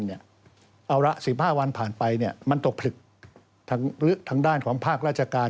เอาละ๑๕วันผ่านไปมันตกผลึกทางด้านของภาคราชการ